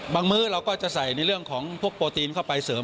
มื้อเราก็จะใส่ในเรื่องของพวกโปรตีนเข้าไปเสริม